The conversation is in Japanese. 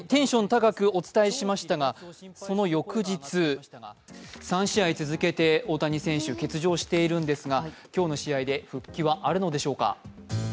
高くお伝えしましたがその翌日、３試合続けて大谷選手欠場しているんですが、今日の試合で復帰はあるのでしょうか。